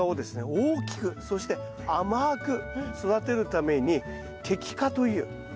大きくそして甘く育てるために摘果という。摘果。